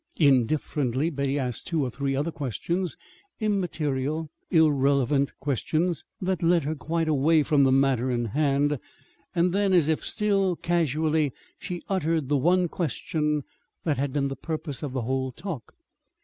Indifferently Betty asked two or three other questions immaterial, irrelevant questions that led her quite away from the matter in hand. Then, as if still casually, she uttered the one question that had been the purpose of the whole talk.